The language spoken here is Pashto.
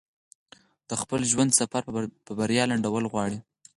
د خپل ژوند سفر په بريا لنډول غواړي.